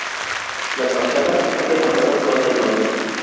Las fachadas están rematadas con merlones.